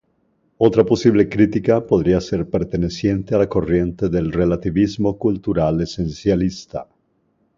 Otra posible crítica, podría ser perteneciente a la corriente del relativismo cultural esencialista.